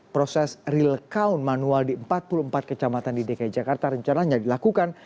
proses real account manual di empat puluh empat kecamatan di dki jakarta rencananya dilakukan